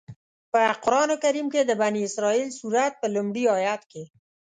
په قرآن کریم کې د بنی اسرائیل سورت په لومړي آيت کې.